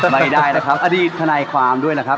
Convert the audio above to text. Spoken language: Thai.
ไม่ได้นะครับอดีตทนายความด้วยนะครับ